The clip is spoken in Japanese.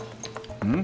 うん？